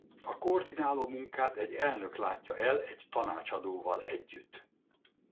A koordináló munkát egy elnök látja el egy tanácsadóval együtt.